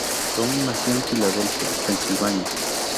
Brown nació en Filadelfia, Pensilvania.